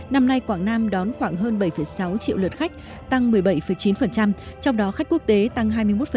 năm nay quảng nam đón khoảng hơn bảy sáu triệu lượt khách tăng một mươi bảy chín trong đó khách quốc tế tăng hai mươi một